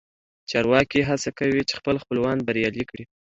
چارواکي هڅه کوي چې خپل خپلوان بریالي کړي